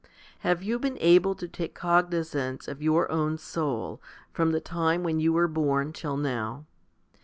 Have you been able to take cognisance of your own soul from the time when you were born till now